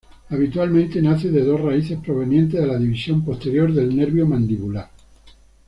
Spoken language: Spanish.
Habitualmente nace de dos raíces provenientes de la división posterior del nervio mandibular.